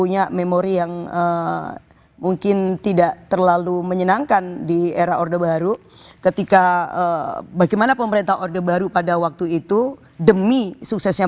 yang menyenangkan di era orde baru ketika bagaimana pemerintah orde baru pada waktu itu demi suksesnya